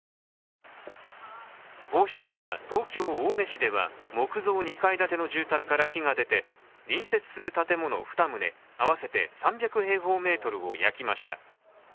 こうした中、東京・青梅市では木造２階建ての住宅から火が出て隣接する建物２棟合わせて３００平方メートルを焼きました。